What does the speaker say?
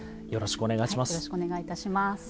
よろしくお願いします。